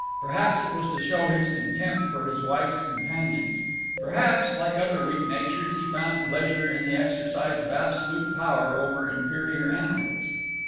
Perhaps it was to show his contempt for his wife's companions; perhaps, like other weak natures, he found pleasure in the exercise of absolute power over inferior animals.